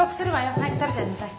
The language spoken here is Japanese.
早く食べちゃいなさい。